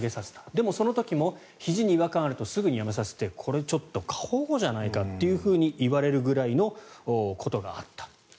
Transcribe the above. でも、その時もひじに違和感があるとすぐにやめさせてこれはちょっと過保護じゃないかといわれるぐらいのことがあった。